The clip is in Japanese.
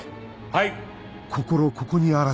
はい。